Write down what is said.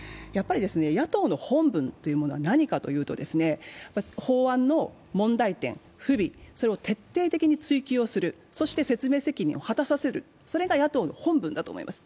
野党の本分というのは何かというと法案の問題点や不備を徹底的に追求する、そして説明責任を果たさせる、それが野党の本分だと思います。